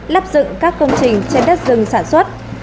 lắp dựng các công trình trên đất rừng sản xuất